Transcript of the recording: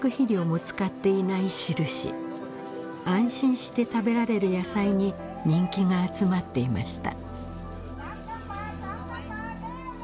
安心して食べられる野菜に人気が集まっていました。